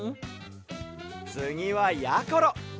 つぎはやころ！